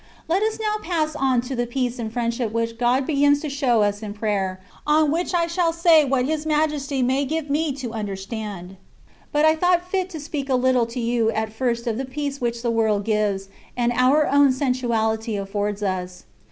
Let us now pass on to the peace and friendship which God begins to show us in prayer, on which I shall say what His Majesty may give me to un derstand. But I thought fit to speak a little to you at first of the peace which the world gives, and our own sensuality aflPords us.